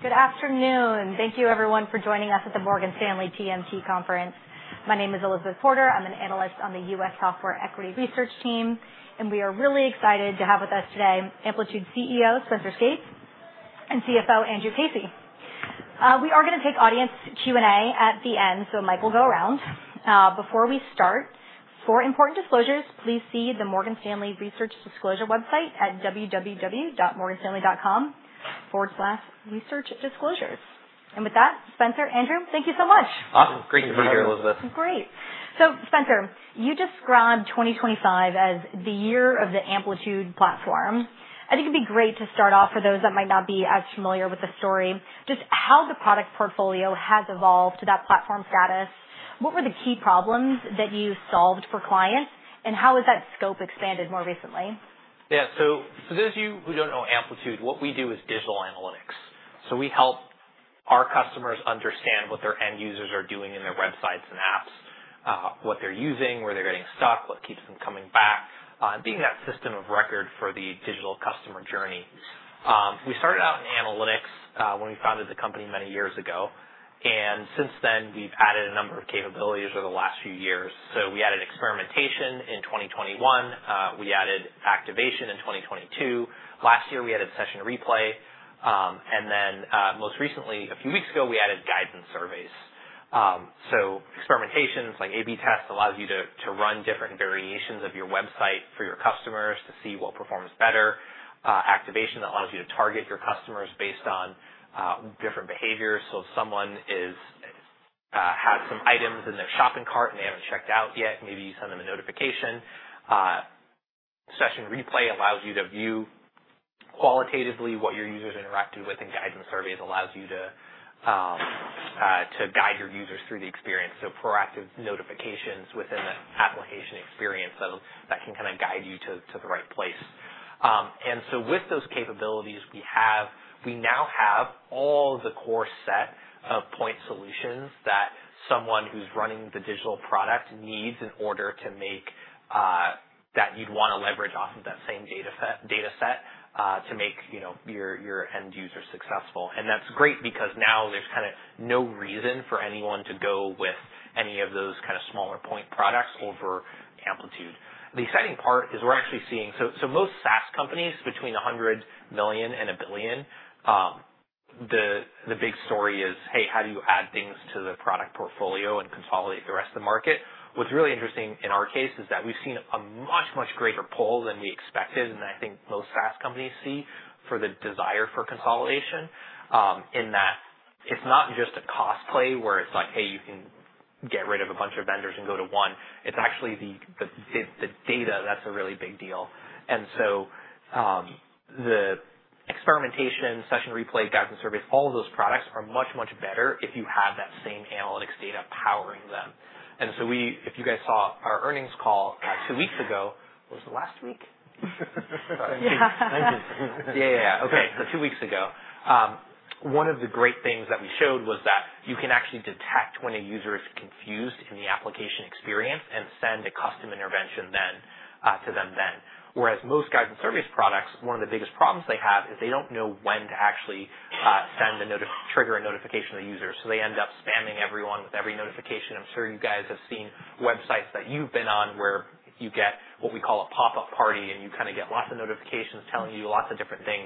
Good afternoon. Thank you, everyone, for joining us at the Morgan Stanley TMT Conference. My name is Elizabeth Porter. I'm an analyst on the U.S. Software Equity Research team, and we are really excited to have with us today Amplitude CEO, Spenser Skates, and CFO, Andrew Casey. We are going to take audience Q&A at the end, so Mike will go around. Before we start, for important disclosures, please see the Morgan Stanley Research Disclosure website at www.morganstanley.com/researchdisclosures. And with that, Spenser, Andrew, thank you so much. Awesome. Great to be here, Elizabeth. Great. So, Spenser, you described 2025 as the year of the Amplitude platform. I think it'd be great to start off, for those that might not be as familiar with the story, just how the product portfolio has evolved to that platform status. What were the key problems that you solved for clients, and how has that scope expanded more recently? Yeah. So for those of you who don't know Amplitude, what we do is digital analytics. So we help our customers understand what their end users are doing in their websites and apps, what they're using, where they're getting stuck, what keeps them coming back, and being that system of record for the digital customer journey. We started out in analytics when we founded the company many years ago, and since then we've added a number of capabilities over the last few years. So we added experimentation in 2021. We added activation in 2022. Last year we added session replay. And then most recently, a few weeks ago, we added guides and surveys. So experimentations, like A/B tests, allow you to run different variations of your website for your customers to see what performs better. Activation allows you to target your customers based on different behaviors. So if someone has some items in their shopping cart and they haven't checked out yet, maybe you send them a notification. Session replay allows you to view qualitatively what your users interacted with, and guides and surveys allow you to guide your users through the experience. So proactive notifications within the application experience that can kind of guide you to the right place. And so with those capabilities, we now have all the core set of point solutions that someone who's running the digital product needs in order to make that you'd want to leverage off of that same data set to make your end user successful. And that's great because now there's kind of no reason for anyone to go with any of those kind of smaller point products over Amplitude. The exciting part is we're actually seeing so most SaaS companies, between $100 million and $1 billion, the big story is, "Hey, how do you add things to the product portfolio and consolidate the rest of the market?" What's really interesting in our case is that we've seen a much, much greater pull than we expected, and I think most SaaS companies see for the desire for consolidation in that it's not just a cost play where it's like, "Hey, you can get rid of a bunch of vendors and go to one." It's actually the data that's a really big deal. And so the experimentation, session replay, guides and surveys, all of those products are much, much better if you have that same analytics data powering them. And so if you guys saw our earnings call two weeks ago, was it last week? 19th. Yeah, yeah, yeah. Okay, so two weeks ago. One of the great things that we showed was that you can actually detect when a user is confused in the application experience and send a custom intervention to them then. Whereas most Guides and Surveys products, one of the biggest problems they have is they don't know when to actually trigger a notification to the user. So they end up spamming everyone with every notification. I'm sure you guys have seen websites that you've been on where you get what we call a pop-up party, and you kind of get lots of notifications telling you lots of different things,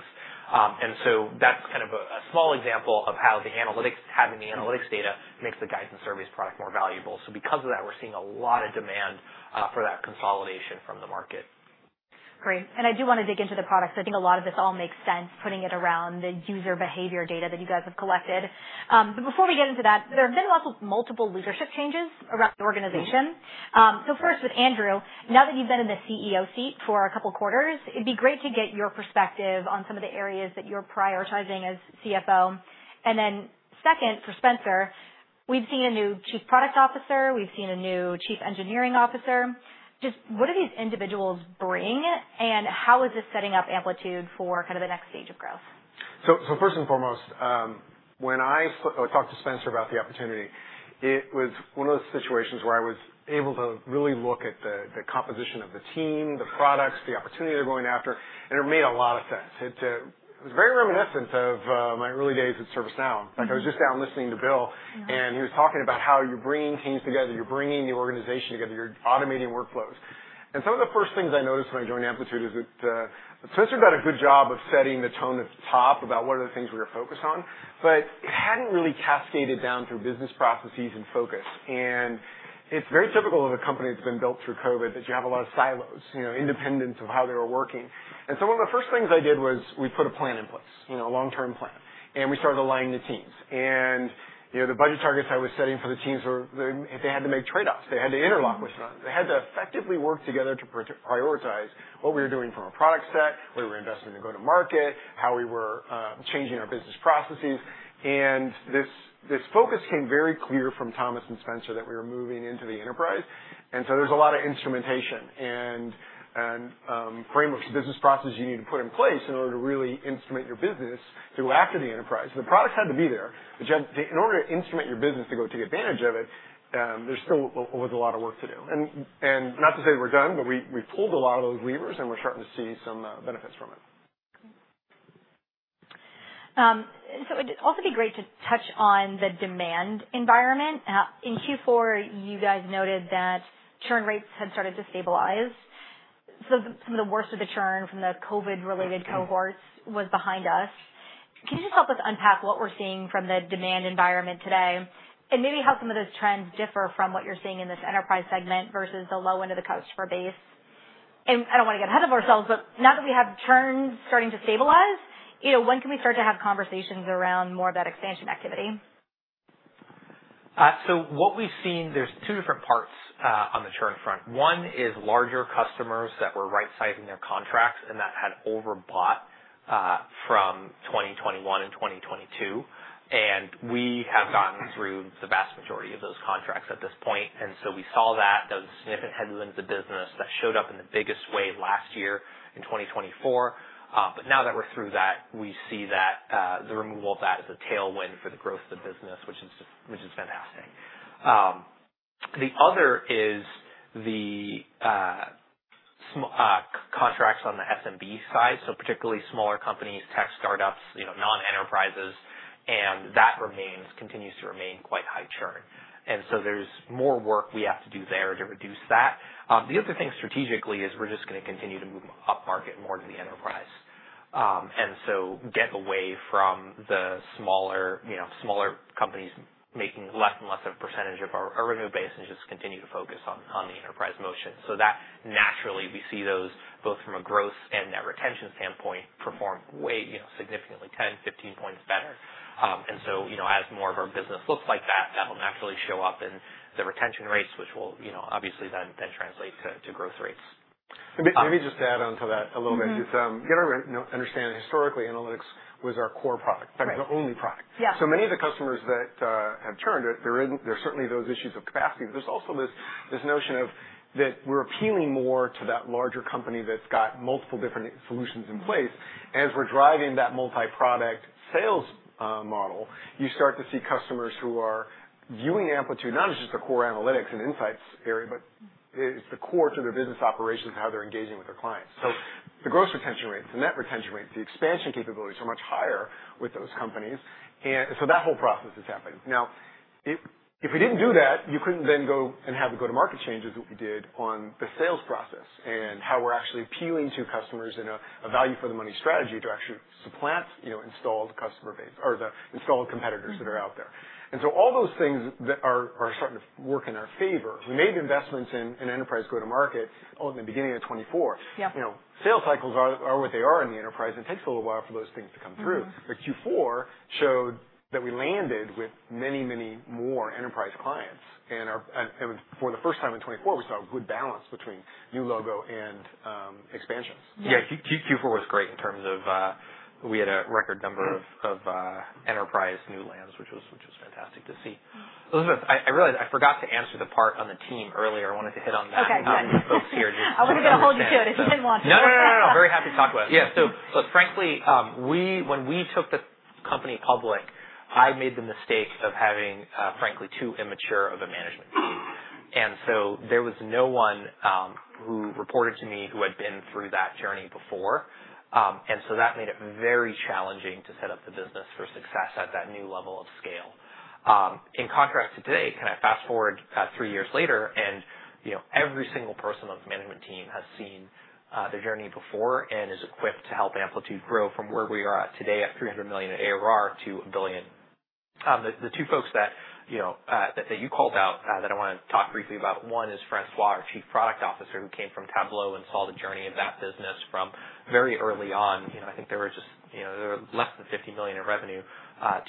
and so that's kind of a small example of how having the analytics data makes the Guides and Surveys product more valuable. So because of that, we're seeing a lot of demand for that consolidation from the market. Great. And I do want to dig into the products. I think a lot of this all makes sense putting it around the user behavior data that you guys have collected. But before we get into that, there have been multiple leadership changes around the organization. So first, with Andrew, now that you've been in the CEO seat for a couple of quarters, it'd be great to get your perspective on some of the areas that you're prioritizing as CFO. And then second, for Spenser, we've seen a new Chief Product Officer. We've seen a new Chief Engineering Officer. Just what do these individuals bring, and how is this setting up Amplitude for kind of the next stage of growth? So first and foremost, when I talked to Spenser about the opportunity, it was one of those situations where I was able to really look at the composition of the team, the products, the opportunity they're going after, and it made a lot of sense. It was very reminiscent of my early days at ServiceNow. I was just down listening to Bill, and he was talking about how you're bringing teams together. You're bringing the organization together. You're automating workflows. And some of the first things I noticed when I joined Amplitude is that Spenser a good job of setting the tone at the top about what are the things we're going to focus on, but it hadn't really cascaded down through business processes and focus. And it's very typical of a company that's been built through COVID that you have a lot of silos, independence of how they were working. And so one of the first things I did was we put a plan in place, a long-term plan, and we started aligning the teams. And the budget targets I was setting for the teams were, they had to make trade-offs. They had to interlock with each other. They had to effectively work together to prioritize what we were doing from a product set, what we were investing in the go-to-market, how we were changing our business processes. And this focus came very clear from Thomas and Spenser that we were moving into the enterprise. And so there's a lot of instrumentation and frameworks, business processes you need to put in place in order to really instrument your business to go after the enterprise. The products had to be there, but in order to instrument your business to go take advantage of it, there still was a lot of work to do, and not to say we're done, but we've pulled a lot of those levers, and we're starting to see some benefits from it. So it'd also be great to touch on the demand environment. In Q4, you guys noted that churn rates had started to stabilize. So some of the worst of the churn from the COVID-related cohorts was behind us. Can you just help us unpack what we're seeing from the demand environment today and maybe how some of those trends differ from what you're seeing in this enterprise segment versus the low end of the customer base? And I don't want to get ahead of ourselves, but now that we have churn starting to stabilize, when can we start to have conversations around more of that expansion activity? So what we've seen, there's two different parts on the churn front. One is larger customers that were right-sizing their contracts and that had overbought from 2021 and 2022. And we have gotten through the vast majority of those contracts at this point. And so we saw that. That was a significant headwind to business that showed up in the biggest way last year in 2024. But now that we're through that, we see that the removal of that is a tailwind for the growth of the business, which is fantastic. The other is the contracts on the SMB side, so particularly smaller companies, tech startups, non-enterprises, and that continues to remain quite high churn. And so there's more work we have to do there to reduce that. The other thing strategically is we're just going to continue to move upmarket more to the enterprise and so get away from the smaller companies making less and less of a percentage of our revenue base and just continue to focus on the enterprise motion. So that naturally, we see those both from a growth and a retention standpoint perform significantly, 10, 15 points better. And so as more of our business looks like that, that'll naturally show up in the retention rates, which will obviously then translate to growth rates. Maybe just to add on to that a little bit, just get our understanding historically, analytics was our core product. That was the only product. So many of the customers that have churned, there are certainly those issues of capacity, but there's also this notion of that we're appealing more to that larger company that's got multiple different solutions in place. As we're driving that multi-product sales model, you start to see customers who are viewing Amplitude, not as just a core analytics and insights area, but it's the core to their business operations and how they're engaging with their clients. So the gross retention rates, the net retention rates, the expansion capabilities are much higher with those companies. And so that whole process is happening. Now, if we didn't do that, you couldn't then go and have the go-to-market changes that we did on the sales process and how we're actually appealing to customers in a value-for-the-money strategy to actually supplant installed customer base or the installed competitors that are out there. All those things are starting to work in our favor. We made investments in enterprise go-to-market. Oh, in the beginning of 2024. Sales cycles are what they are in the enterprise. It takes a little while for those things to come through. Q4 showed that we landed with many, many more enterprise clients. For the first time in 2024, we saw a good balance between new logo and expansions. Yeah. Q4 was great in terms of we had a record number of enterprise new lands, which was fantastic to see. Elizabeth, I realized I forgot to answer the part on the team earlier. I wanted to hit on that. Okay. Go ahead. Folks here. I wasn't going to hold you to it if you didn't want to. No, no, no, no. I'm very happy to talk about it. Yeah. So frankly, when we took the company public, I made the mistake of having, frankly, too immature of a management team. And so there was no one who reported to me who had been through that journey before. And so that made it very challenging to set up the business for success at that new level of scale. In contrast to today, kind of fast forward three years later, and every single person on the management team has seen the journey before and is equipped to help Amplitude grow from where we are at today at $300 million ARR to $1 billion. The two folks that you called out that I want to talk briefly about, one is Francois, our Chief Product Officer, who came from Tableau and saw the journey of that business from very early on. I think there were just less than $50 million in revenue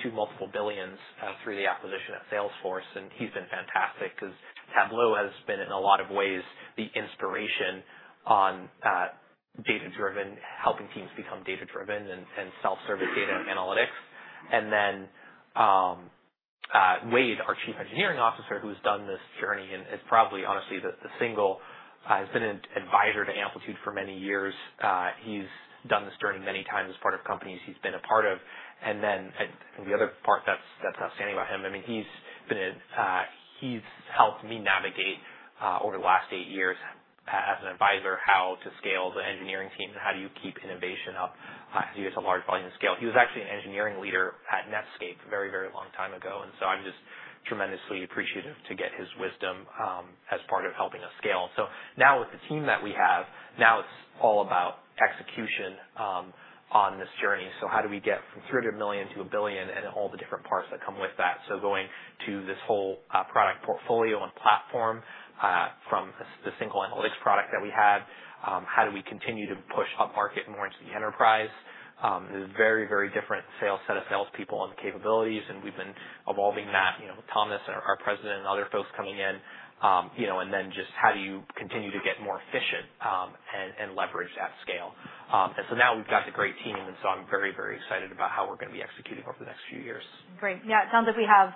to multiple billions through the acquisition at Salesforce. And he's been fantastic because Tableau has been, in a lot of ways, the inspiration on data-driven, helping teams become data-driven and self-service data analytics. And then Wade, our Chief Engineering Officer, who's done this journey and is probably, honestly, the single, has been an advisor to Amplitude for many years. He's done this journey many times as part of companies he's been a part of. And then the other part that's outstanding about him, I mean, he's helped me navigate over the last eight years as an advisor how to scale the engineering team and how do you keep innovation up as you get to a large volume of scale. He was actually an engineering leader at Netscape a very, very long time ago. And so I'm just tremendously appreciative to get his wisdom as part of helping us scale. So now with the team that we have, now it's all about execution on this journey. So how do we get from $300 million to $1 billion and all the different parts that come with that? So going to this whole product portfolio and platform from the single analytics product that we had, how do we continue to push upmarket more into the enterprise? There's a very, very different sales set of salespeople and capabilities, and we've been evolving that with Thomas, our President, and other folks coming in. And then just how do you continue to get more efficient and leverage at scale? And so now we've got the great team, and so I'm very, very excited about how we're going to be executing over the next few years. Great. Yeah. It sounds like we have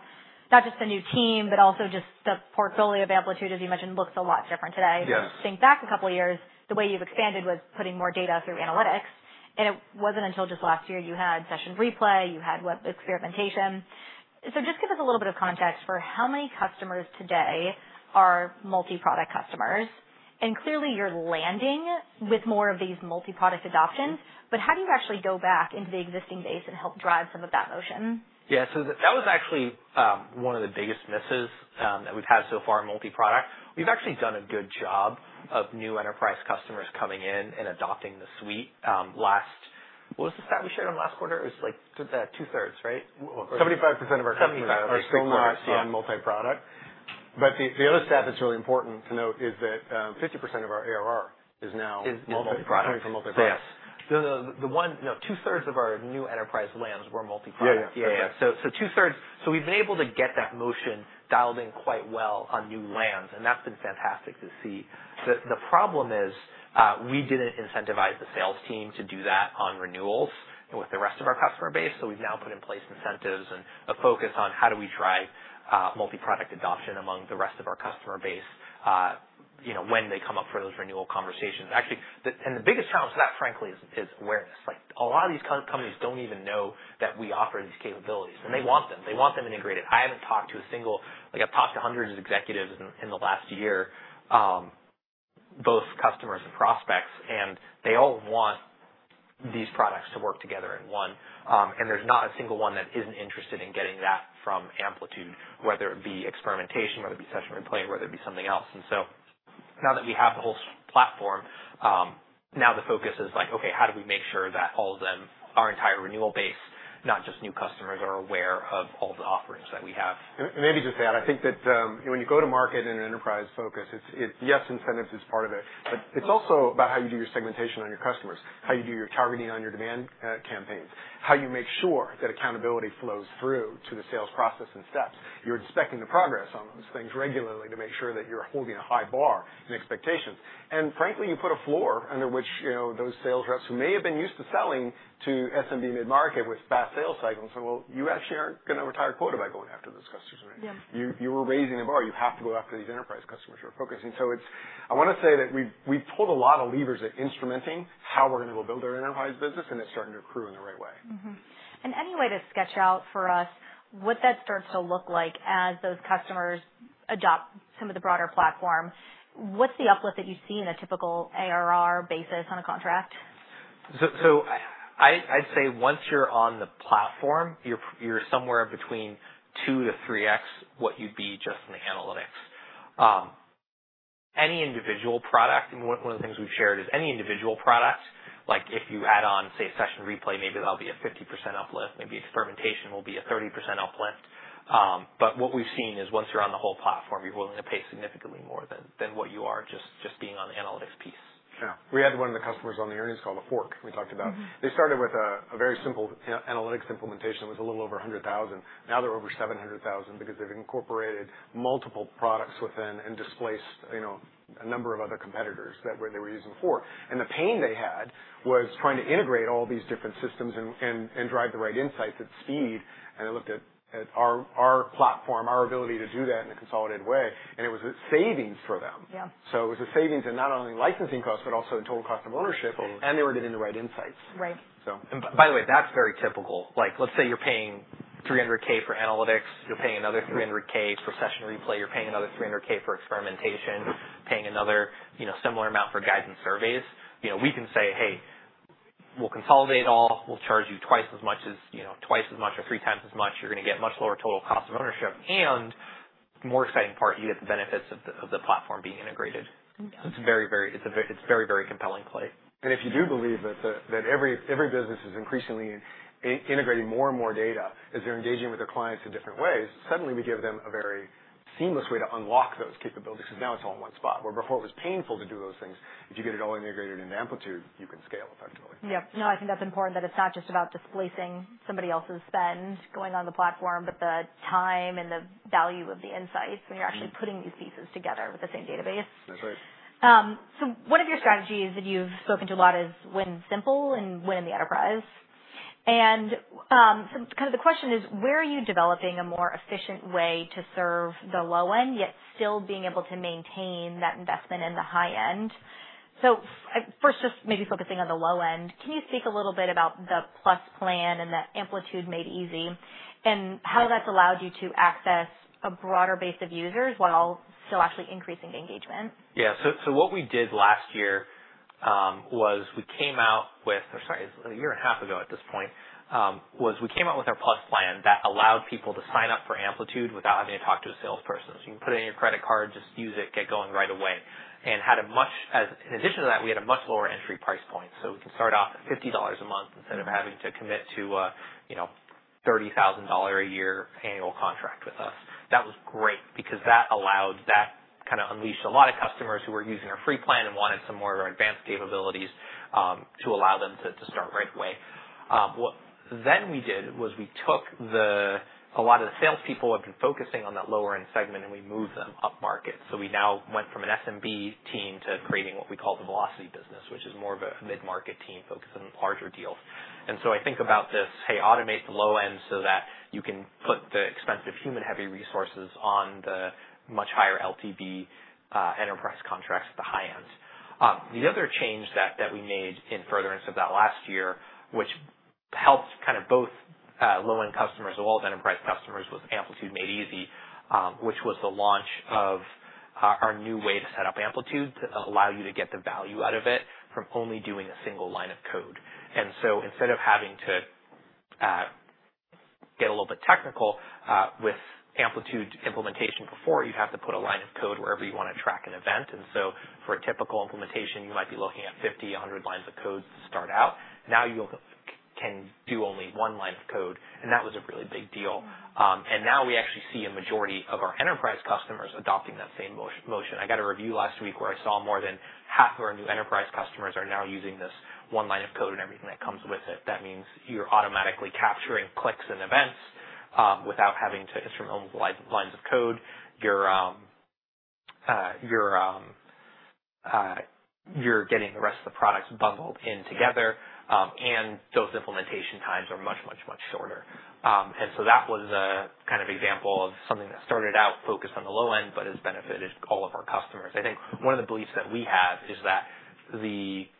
not just a new team, but also just the portfolio of Amplitude, as you mentioned, looks a lot different today. If you think back a couple of years, the way you've expanded was putting more data through analytics. And it wasn't until just last year you had Session Replay. You had Experimentation. So just give us a little bit of context for how many customers today are multi-product customers. And clearly, you're landing with more of these multi-product adoptions, but how do you actually go back into the existing base and help drive some of that motion? Yeah. So that was actually one of the biggest misses that we've had so far in multi-product. We've actually done a good job of new enterprise customers coming in and adopting the suite. What was the stat we shared on last quarter? It was like two-thirds, right? 75% of our company are still in multi-product. But the other stat that's really important to note is that 50% of our ARR is now coming from multi-product. Multi-product. Yes. Two-thirds of our new enterprise lands were multi-product. Yeah, yeah. So two-thirds. So we've been able to get that motion dialed in quite well on new lands, and that's been fantastic to see. The problem is we didn't incentivize the sales team to do that on renewals with the rest of our customer base. So we've now put in place incentives and a focus on how do we drive multi-product adoption among the rest of our customer base when they come up for those renewal conversations. Actually, and the biggest challenge to that, frankly, is awareness. A lot of these companies don't even know that we offer these capabilities, and they want them. They want them integrated. I haven't talked to a single. I've talked to hundreds of executives in the last year, both customers and prospects, and they all want these products to work together in one. And there's not a single one that isn't interested in getting that from Amplitude, whether it be experimentation, whether it be session replay, or whether it be something else. And so now that we have the whole platform, now the focus is like, okay, how do we make sure that all of them, our entire renewal base, not just new customers, are aware of all the offerings that we have? Maybe just that. I think that when you go to market in an enterprise focus, yes, incentives is part of it, but it's also about how you do your segmentation on your customers, how you do your targeting on your demand campaigns, how you make sure that accountability flows through to the sales process and steps. You're inspecting the progress on those things regularly to make sure that you're holding a high bar and expectations, and frankly, you put a floor under which those sales reps who may have been used to selling to SMB mid-market with fast sales cycles and said, "Well, you actually aren't going to retire quota by going after those customers." You were raising the bar. You have to go after these enterprise customers you're focusing. So I want to say that we've pulled a lot of levers at instrumenting how we're going to go build our enterprise business, and it's starting to accrue in the right way. Any way to sketch out for us what that starts to look like as those customers adopt some of the broader platform, what's the uplift that you see in a typical ARR basis on a contract? So I'd say once you're on the platform, you're somewhere between 2 to 3x what you'd be just in the analytics. One of the things we've shared is any individual product, like if you add on, say, session replay, maybe that'll be a 50% uplift. Maybe experimentation will be a 30% uplift. But what we've seen is once you're on the whole platform, you're willing to pay significantly more than what you are just being on the analytics piece. Yeah. We had one of the customers on the earnings call, the one we talked about. They started with a very simple analytics implementation that was a little over 100,000. Now they're over 700,000 because they've incorporated multiple products within and displaced a number of other competitors that they were using for. And the pain they had was trying to integrate all these different systems and drive the right insights at speed. And they looked at our platform, our ability to do that in a consolidated way, and it was savings for them. So it was a savings in not only licensing costs, but also in total cost of ownership, and they were getting the right insights. And by the way, that's very typical. Let's say you're paying $300,000 for analytics, you're paying another $300,000 for session replay, you're paying another $300,000 for experimentation, paying another similar amount for guides and surveys. We can say, "Hey, we'll consolidate it all. We'll charge you twice as much or three times as much. You're going to get much lower total cost of ownership." And more exciting part, you get the benefits of the platform being integrated. It's a very, very compelling play. If you do believe that every business is increasingly integrating more and more data, as they're engaging with their clients in different ways, suddenly we give them a very seamless way to unlock those capabilities because now it's all in one spot. Where before it was painful to do those things, if you get it all integrated into Amplitude, you can scale effectively. Yep. No, I think that's important that it's not just about displacing somebody else's spend going on the platform, but the time and the value of the insights when you're actually putting these pieces together with the same database. That's right. So one of your strategies that you've spoken to a lot is win simple and win in the enterprise. And so kind of the question is, where are you developing a more efficient way to serve the low end, yet still being able to maintain that investment in the high end? So first, just maybe focusing on the low end, can you speak a little bit about the Plus plan and the Amplitude Made Easy and how that's allowed you to access a broader base of users while still actually increasing engagement? Yeah. So what we did last year was, sorry, it's a year and a half ago at this point, we came out with our Plus plan that allowed people to sign up for Amplitude without having to talk to a salesperson. So you can put in your credit card, just use it, get going right away. And in addition to that, we had a much lower entry price point. So we can start off at $50 a month instead of having to commit to a $30,000 a year annual contract with us. That was great because that allowed, that kind of unleashed a lot of customers who were using our free plan and wanted some more of our advanced capabilities to allow them to start right away. What then we did was we took a lot of the salespeople who had been focusing on that lower-end segment, and we moved them upmarket. So we now went from an SMB team to creating what we call the Velocity Business, which is more of a mid-market team focused on larger deals. And so I think about this, "Hey, automate the low end so that you can put the expensive, human-heavy resources on the much higher LTV enterprise contracts at the high end." The other change that we made in furtherance of that last year, which helped kind of both low-end customers as well as enterprise customers, was Amplitude Made Easy, which was the launch of our new way to set up Amplitude to allow you to get the value out of it from only doing a single line of code. And so instead of having to get a little bit technical with Amplitude implementation before, you'd have to put a line of code wherever you want to track an event. And so for a typical implementation, you might be looking at 50, 100 lines of code to start out. Now you can do only one line of code, and that was a really big deal. And now we actually see a majority of our enterprise customers adopting that same motion. I got a review last week where I saw more than half of our new enterprise customers are now using this one line of code and everything that comes with it. That means you're automatically capturing clicks and events without having to instrument lines of code. You're getting the rest of the products bundled in together, and those implementation times are much, much, much shorter. And so that was a kind of example of something that started out focused on the low end, but has benefited all of our customers. I think one of the beliefs that we have is that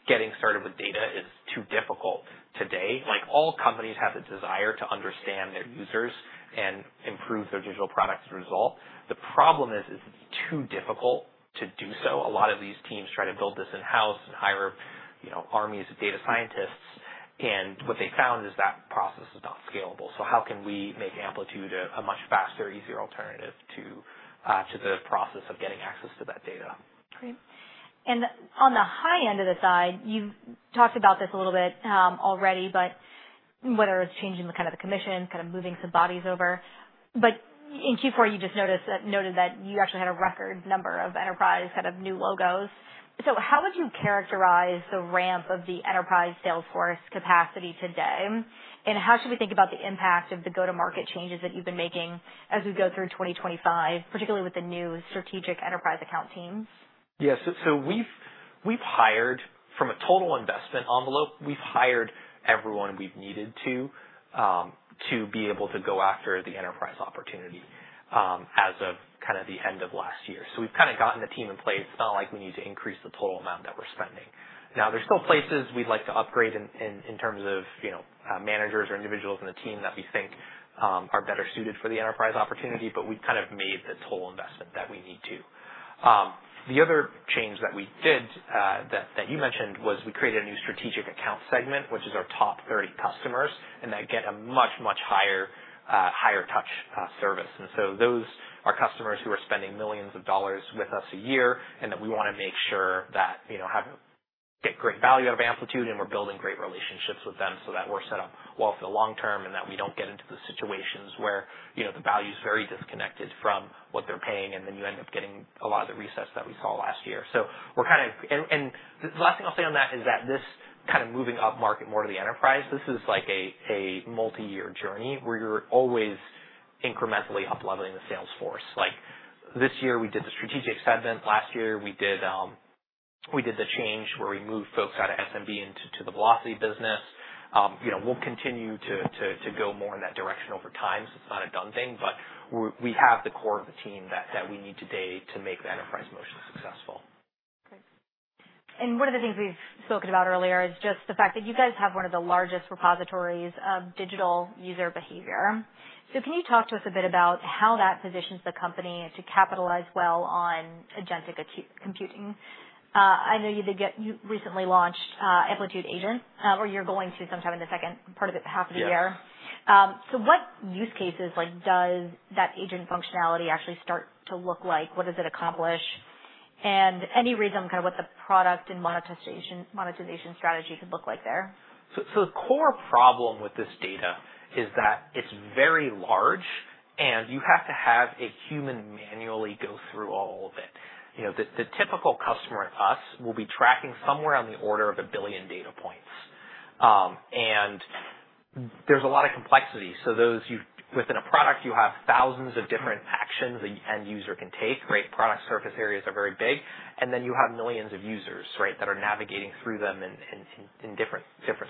getting started with data is too difficult today. All companies have the desire to understand their users and improve their digital products as a result. The problem is it's too difficult to do so. A lot of these teams try to build this in-house and hire armies of data scientists. And what they found is that process is not scalable. So how can we make Amplitude a much faster, easier alternative to the process of getting access to that data? Great. And on the high end of the side, you've talked about this a little bit already, but whether it's changing kind of the commission, kind of moving some bodies over. But in Q4, you just noted that you actually had a record number of enterprise kind of new logos. So how would you characterize the ramp of the enterprise salesforce capacity today? And how should we think about the impact of the go-to-market changes that you've been making as we go through 2025, particularly with the new strategic enterprise account teams? Yeah. So from a total investment envelope, we've hired everyone we've needed to be able to go after the enterprise opportunity as of kind of the end of last year. So we've kind of gotten the team in place. It's not like we need to increase the total amount that we're spending. Now, there's still places we'd like to upgrade in terms of managers or individuals on the team that we think are better suited for the enterprise opportunity, but we've kind of made the total investment that we need to. The other change that we did that you mentioned was we created a new strategic account segment, which is our top 30 customers, and that get a much, much higher touch service. And so those are customers who are spending $ millions a year with us and that we want to make sure that get great value out of Amplitude, and we're building great relationships with them so that we're set up well for the long term and that we don't get into the situations where the value is very disconnected from what they're paying, and then you end up getting a lot of the churn that we saw last year. So we're kind of, and the last thing I'll say on that is that this kind of moving upmarket more to the enterprise, this is like a multi-year journey where you're always incrementally upleveling the salesforce. This year, we did the strategic segment. Last year, we did the change where we moved folks out of SMB into the velocity business. We'll continue to go more in that direction over time. It's not a done thing, but we have the core of the team that we need today to make the enterprise motion successful. Great. And one of the things we've spoken about earlier is just the fact that you guys have one of the largest repositories of digital user behavior. So can you talk to us a bit about how that positions the company to capitalize well on agentic computing? I know you recently launched Amplitude Agent, or you're going to sometime in the second half of the year. So what use cases does that agent functionality actually start to look like? What does it accomplish? And any reasoning kind of what the product and monetization strategy could look like there? So the core problem with this data is that it's very large, and you have to have a human manually go through all of it. The typical customer at us will be tracking somewhere on the order of a billion data points. And there's a lot of complexity. So within a product, you have thousands of different actions that an end user can take. Product surface areas are very big. And then you have millions of users that are navigating through them in different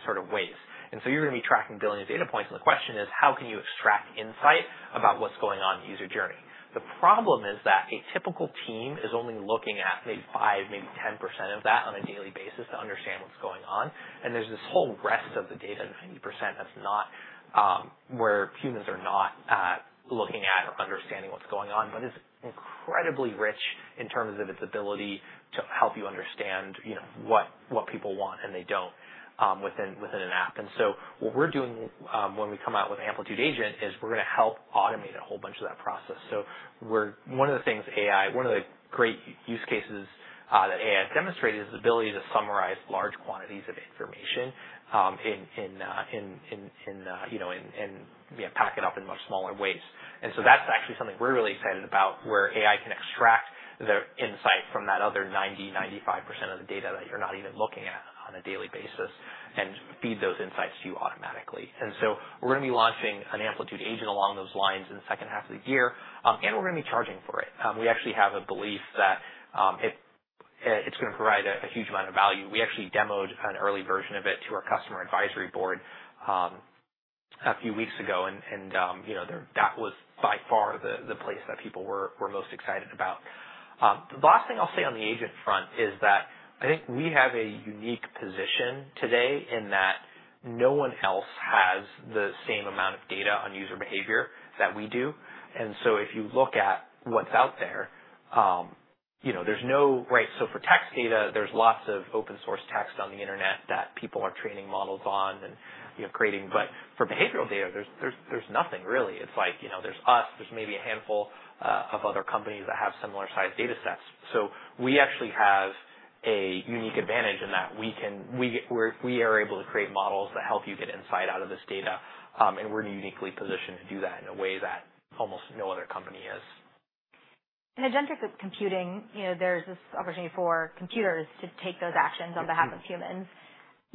sort of ways. And so you're going to be tracking billions of data points. And the question is, how can you extract insight about what's going on in the user journey? The problem is that a typical team is only looking at maybe 5%, maybe 10% of that on a daily basis to understand what's going on. There's this whole rest of the data, 90%, that's not where humans are not looking at or understanding what's going on, but it's incredibly rich in terms of its ability to help you understand what people want and they don't within an app. So what we're doing when we come out with Amplitude Agent is we're going to help automate a whole bunch of that process. One of the things AI, one of the great use cases that AI has demonstrated is the ability to summarize large quantities of information and pack it up in much smaller ways. That's actually something we're really excited about, where AI can extract the insight from that other 90%, 95% of the data that you're not even looking at on a daily basis and feed those insights to you automatically. And so we're going to be launching an Amplitude Agent along those lines in the second half of the year, and we're going to be charging for it. We actually have a belief that it's going to provide a huge amount of value. We actually demoed an early version of it to our Customer Advisory Board a few weeks ago, and that was by far the place that people were most excited about. The last thing I'll say on the agent front is that I think we have a unique position today in that no one else has the same amount of data on user behavior that we do. And so if you look at what's out there, there's no, right? So for text data, there's lots of open-source text on the internet that people are training models on and creating. But for behavioral data, there's nothing really. It's like there's us, there's maybe a handful of other companies that have similar-sized data sets. So we actually have a unique advantage in that we are able to create models that help you get insight out of this data, and we're uniquely positioned to do that in a way that almost no other company is. In agentic computing, there's this opportunity for computers to take those actions on behalf of humans.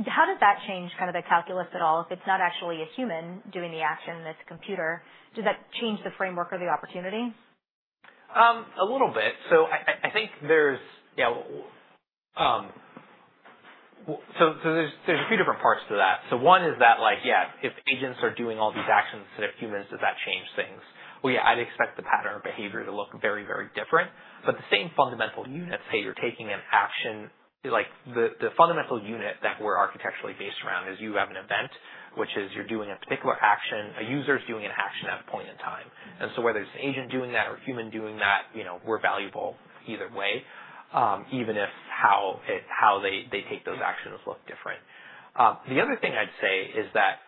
How does that change kind of the calculus at all? If it's not actually a human doing the action that's a computer, does that change the framework or the opportunity? A little bit. So I think there's a few different parts to that. So one is that, yeah, if agents are doing all these actions instead of humans, does that change things? Well, yeah, I'd expect the pattern of behavior to look very, very different. But the same fundamental units, hey, you're taking an action, the fundamental unit that we're architecturally based around is you have an event, which is you're doing a particular action. A user is doing an action at a point in time. And so whether it's an agent doing that or a human doing that, we're valuable either way, even if how they take those actions look different. The other thing I'd say is that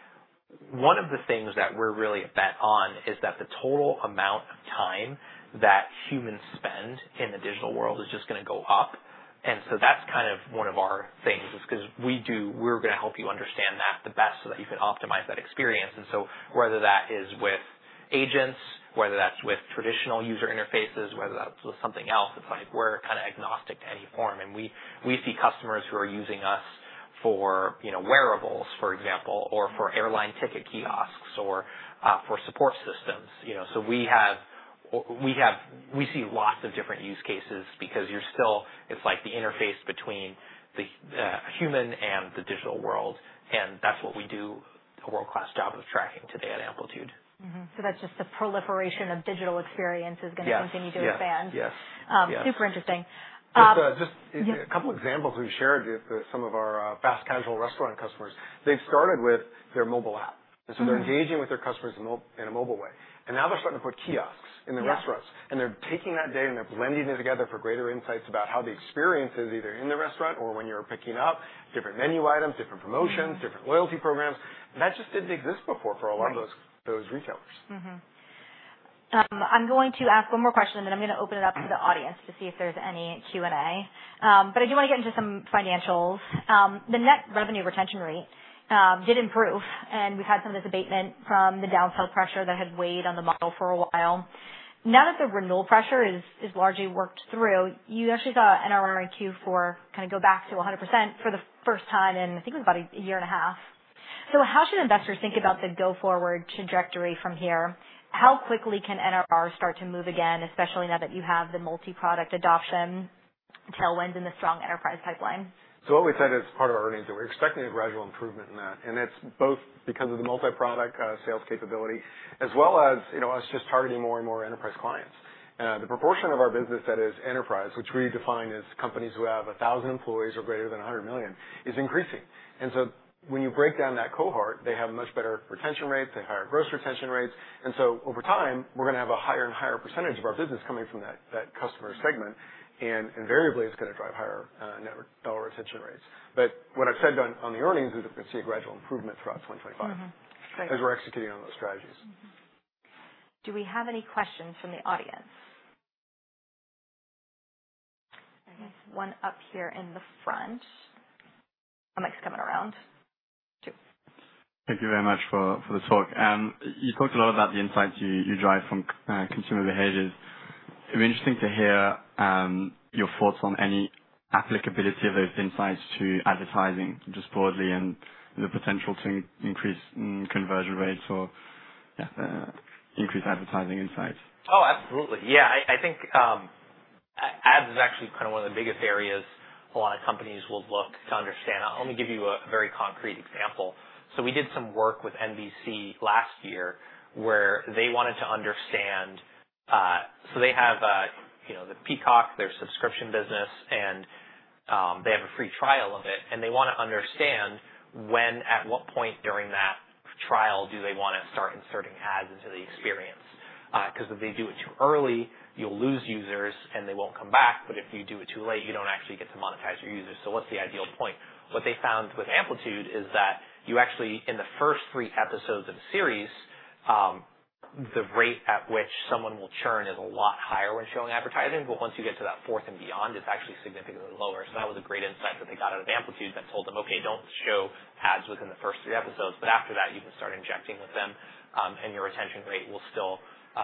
one of the things that we're really bet on is that the total amount of time that humans spend in the digital world is just going to go up. And so that's kind of one of our things is because we're going to help you understand that the best so that you can optimize that experience. And so whether that is with agents, whether that's with traditional user interfaces, whether that's with something else, it's like we're kind of agnostic to any form. And we see customers who are using us for wearables, for example, or for airline ticket kiosks or for support systems. So we see lots of different use cases because it's like the interface between the human and the digital world. And that's what we do a world-class job of tracking today at Amplitude. So that's just the proliferation of digital experience is going to continue to expand. Yes. Yes. Yes. Super interesting. Just a couple of examples we've shared with some of our fast casual restaurant customers. They've started with their mobile app. And now they're starting to put kiosks in the restaurants. And they're taking that data and they're blending it together for greater insights about how the experience is either in the restaurant or when you're picking up different menu items, different promotions, different loyalty programs. That just didn't exist before for a lot of those retailers. I'm going to ask one more question, and then I'm going to open it up to the audience to see if there's any Q&A. But I do want to get into some financials. The net revenue retention rate did improve, and we've had some of this abatement from the downside pressure that had weighed on the model for a while. Now that the renewal pressure is largely worked through, you actually saw NRR in Q4 kind of go back to 100% for the first time in, I think, it was about a year and a half. So how should investors think about the go-forward trajectory from here? How quickly can NRR start to move again, especially now that you have the multi-product adoption tailwinds and the strong enterprise pipeline? So what we said as part of our earnings that we're expecting a gradual improvement in that. And it's both because of the multi-product sales capability as well as us just targeting more and more enterprise clients. The proportion of our business that is enterprise, which we define as companies who have 1,000 employees or greater than 100 million, is increasing. And so when you break down that cohort, they have much better retention rates. They have higher gross retention rates. And so over time, we're going to have a higher and higher percentage of our business coming from that customer segment, and invariably, it's going to drive higher net dollar retention rates. But what I've said on the earnings is that we're going to see a gradual improvement throughout 2025 as we're executing on those strategies. Do we have any questions from the audience? I guess one up here in the front. Mic's coming around. Thank you very much for the talk. You talked a lot about the insights you derive from consumer behaviors. It'd be interesting to hear your thoughts on any applicability of those insights to advertising just broadly and the potential to increase conversion rates or increase advertising insights. Oh, absolutely. Yeah, I think ads is actually kind of one of the biggest areas a lot of companies will look to understand. I'll only give you a very concrete example, so we did some work with NBC last year where they wanted to understand, so they have the Peacock, their subscription business, and they have a free trial of it, and they want to understand at what point during that trial do they want to start inserting ads into the experience? Because if they do it too early, you'll lose users, and they won't come back, but if you do it too late, you don't actually get to monetize your users, so what's the ideal point? What they found with Amplitude is that you actually, in the first three episodes of a series, the rate at which someone will churn is a lot higher when showing advertising. But once you get to that fourth and beyond, it's actually significantly lower. So that was a great insight that they got out of Amplitude that told them, "Okay, don't show ads within the first three episodes." But after that, you can start injecting with them, and your retention rate will still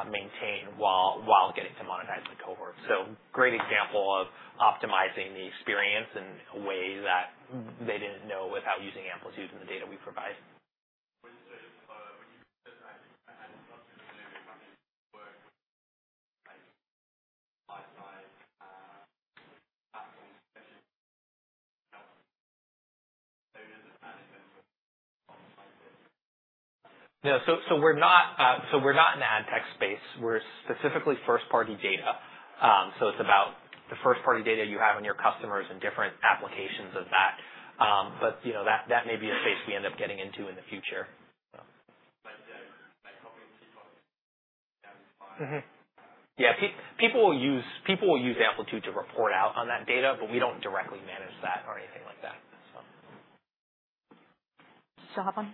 maintain while getting to monetize the cohort. So great example of optimizing the experience in a way that they didn't know without using Amplitude and the data we provide. When you said that ads are not going to deliver companies' work, like buy-side platforms, especially helping owners and management of like this. Yeah. So we're not an ad tech space. We're specifically first-party data. So it's about the first-party data you have on your customers and different applications of that. But that may be a space we end up getting into in the future. Like companies keep on amplifying. Yeah. People will use Amplitude to report out on that data, but we don't directly manage that or anything like that, so. Still hop on?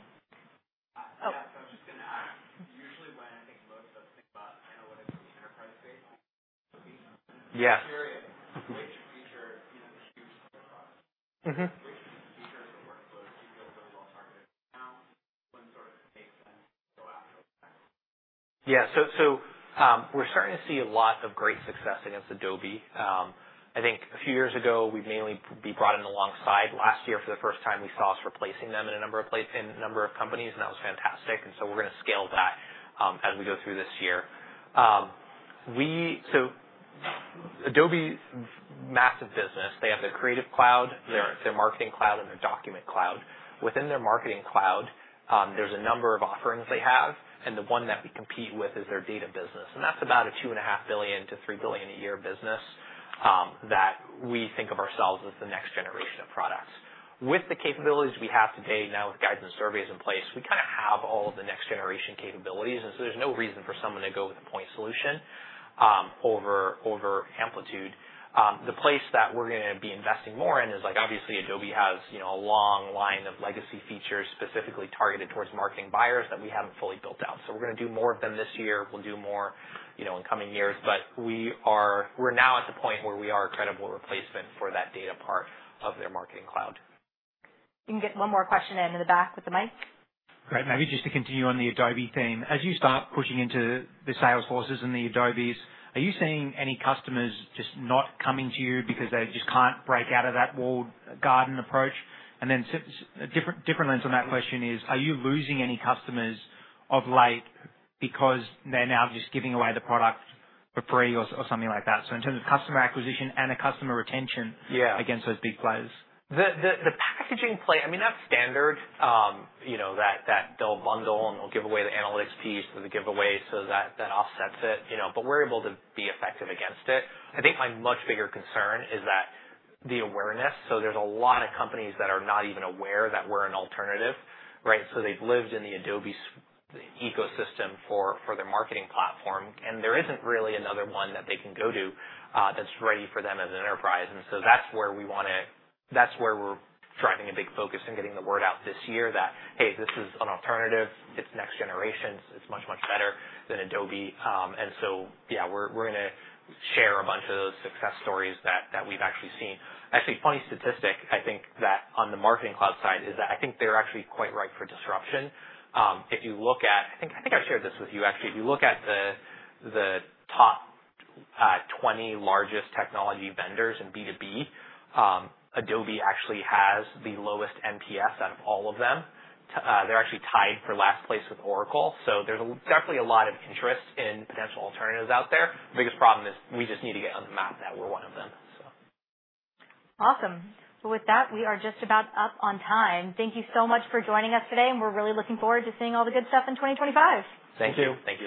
Yeah. So I was just going to ask, usually when I think most of us think about analytics in the enterprise space. Would be something that's very efficient in a huge enterprise. Which features or workflows do you feel really well-targeted? Now, when sort of makes sense to go after that? Yeah. We're starting to see a lot of great success against Adobe. I think a few years ago, we'd mainly be brought in alongside. Last year, for the first time, we saw us replacing them in a number of companies, and that was fantastic, and so we're going to scale that as we go through this year. Adobe's massive business. They have their Creative Cloud, their Marketing Cloud, and their Document Cloud. Within their Marketing Cloud, there's a number of offerings they have, and the one that we compete with is their data business. That's about a $2.5 billion-$3 billion a year business that we think of ourselves as the next generation of products. With the capabilities we have today, now with Guides and Surveys in place, we kind of have all of the next generation capabilities. And so there's no reason for someone to go with a point solution over Amplitude. The place that we're going to be investing more in is, obviously, Adobe has a long line of legacy features specifically targeted towards marketing buyers that we haven't fully built out. So we're going to do more of them this year. We'll do more in coming years. But we're now at the point where we are a credible replacement for that data part of their Marketing Cloud. We can get one more question in the back with the mic. Great. Maybe just to continue on the Adobe theme. As you start pushing into the Salesforce and the Adobe, are you seeing any customers just not coming to you because they just can't break out of that walled garden approach? And then a different lens on that question is, are you losing any customers of late because they're now just giving away the product for free or something like that? So in terms of customer acquisition and customer retention against those big players. The packaging play, I mean, that's standard that they'll bundle and they'll give away the analytics piece or the giveaway, so that offsets it. But we're able to be effective against it. I think my much bigger concern is that the awareness. So there's a lot of companies that are not even aware that we're an alternative, right? So they've lived in the Adobe ecosystem for their marketing platform, and there isn't really another one that they can go to that's ready for them as an enterprise. And so that's where we want to, that's where we're driving a big focus and getting the word out this year that, hey, this is an alternative. It's next generation. It's much, much better than Adobe. And so, yeah, we're going to share a bunch of those success stories that we've actually seen. Actually, funny statistic, I think, that on the Marketing Cloud side is that I think they're actually quite ripe for disruption. If you look at—I think I've shared this with you, actually. If you look at the top 20 largest technology vendors in B2B, Adobe actually has the lowest NPS out of all of them. They're actually tied for last place with Oracle. So there's definitely a lot of interest in potential alternatives out there. The biggest problem is we just need to get on the map that we're one of them, so. Awesome. Well, with that, we are just about up on time. Thank you so much for joining us today, and we're really looking forward to seeing all the good stuff in 2025. Thank you. Thank you.